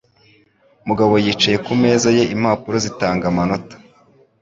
Mugabo yicaye ku meza ye impapuro zitanga amanota.